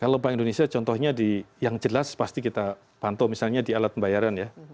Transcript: kalau bank indonesia contohnya yang jelas pasti kita pantau misalnya di alat pembayaran ya